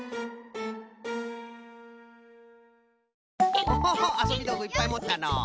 オホホあそびどうぐいっぱいもったのう。